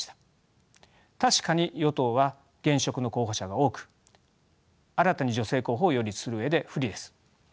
確かに与党は現職の候補者が多く新たに女性候補を擁立する上で不利です。